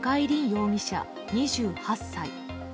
容疑者、２８歳。